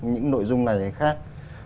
những nội dung này hay khác